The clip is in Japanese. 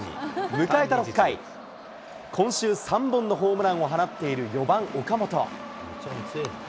迎えた６回、今週３本のホームランを放っている４番岡本。